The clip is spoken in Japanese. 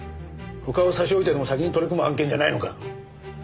他を差し置いてでも先に取り組む案件じゃないのか？